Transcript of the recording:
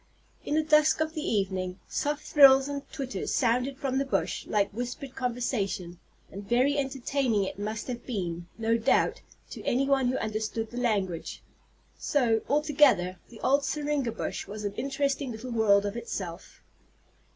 In the dusk of the evening, soft thrills and twitters sounded from the bush, like whispered conversation; and very entertaining it must have been, no doubt, to any one who understood the language. So, altogether, the old syringa bush was an interesting little world of itself.